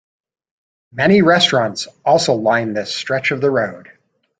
Many restaurants also line this stretch of the road.